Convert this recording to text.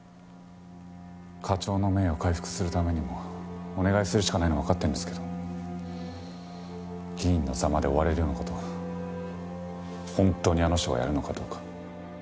課長の名誉を回復するためにもお願いするしかないのはわかってるんですけど議員の座まで追われるような事を本当にあの人がやるのかどうか。